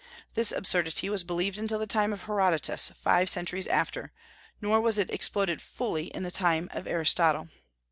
This absurdity was believed until the time of Herodotus, five centuries after; nor was it exploded fully in the time of Aristotle.